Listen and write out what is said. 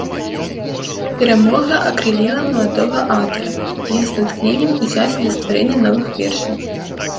Перамога акрыліла маладога аўтара, і ён з натхненнем узяўся за стварэнне новых вершаў.